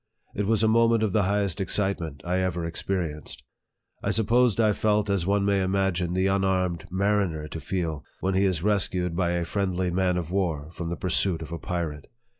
It was a moment of the highest excitement I ever expe rienced. I suppose I felt as one may imagine the un armed mariner to feel when he is rescued by a friendly man of war from the pursuit of a pirate.